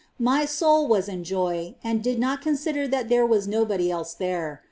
My soul was in joy, and did not consider that there was nobody else there.